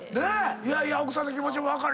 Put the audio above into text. いやいや奥さんの気持ちも分かる。